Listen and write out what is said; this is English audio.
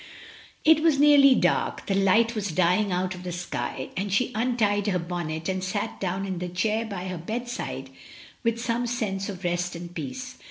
It was nearly dark, the light was dying out of the sky, and she untied her bonnet and sat down in the chair by her bedside with some sense of rest and peace.